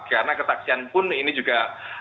karena ketaksian pun ini juga